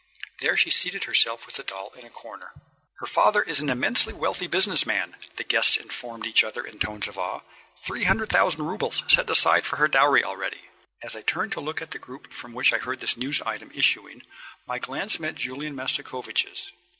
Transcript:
There she seated herself with her doll in a corner. "Her father is an immensely wealthy business man," the guests informed each other in tones of awe. "Three hundred thousand rubles set aside for her dowry already." As I turned to look at the group from which I heard this news item issuing, my glance met Julian Mastakovich's.